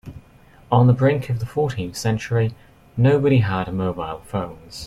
On the brink of the fourteenth century, nobody had mobile phones.